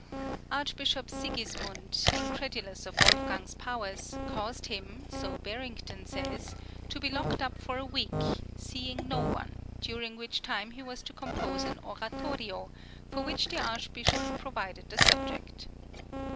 Archbishop Sigismund, incredulous of Wolfgang's powers, caused him, so Barrington says, to be locked up for a week, seeing no one, during which time he was to compose an oratorio, for which the Archbishop provided the subject.